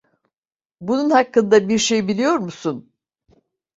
Bunun hakkında bir şey biliyor musun?